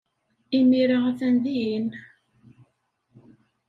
Imir-a, atan dihin.